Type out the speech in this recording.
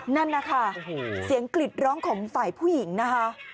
นั่นนะคะเสียงกลิดร้องของฝ่ายผู้หญิงนะคะ